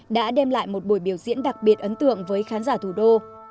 đã đem lại một buổi biểu diễn đặc biệt ấn tượng với khán giả thủ đô